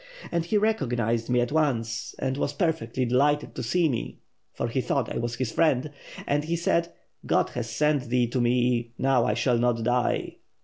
And he recognized me at once, and was perfectly delighted to see me (for he thought I was his friend) and said *God has sent thee to me; now I shall not die.'